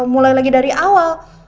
mulai lagi dari awal